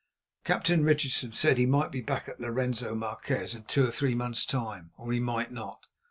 Captain Richardson said he might be back at Lorenzo Marquez in two or three months' time, or he might not.